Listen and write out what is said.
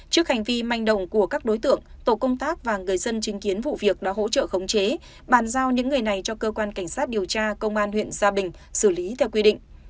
trước hành vi manh động của các đối tượng tổ công tác và người dân chứng kiến vụ việc đã hỗ trợ khống chế bàn giao những người này cho cơ quan cảnh sát điều tra công an huyện gia bình xử lý theo quy định